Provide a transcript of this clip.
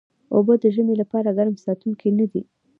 اوبه د ژمي لپاره ګرم ساتونکي نه دي